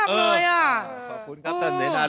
ที่จะเป็นความสุขของชาวบ้าน